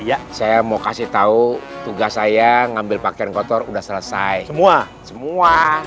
ya saya mau kasih tahu tugas saya ngambil pakaian kotor udah selesai semua semua